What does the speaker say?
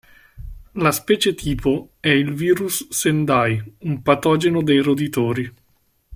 La specie tipo è il virus Sendai, un patogeno dei roditori.